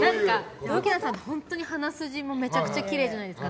奥菜さんって本当に鼻筋もめちゃくちゃきれいじゃないですか。